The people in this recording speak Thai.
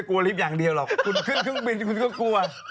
ลิฟต์อย่างเดียวหรอกคุณขึ้นเครื่องบินคุณก็กลัว